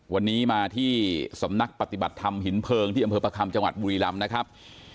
วันนี้มาที่สำนักปฏิบัติธรรมหินเพลิงที่อำเภอประคัมจังหวัดบุรีรำนะครับ